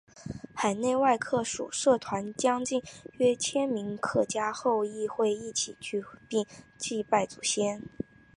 海内外客属社团将近约千名客家后裔会一起聚会并祭拜祖先。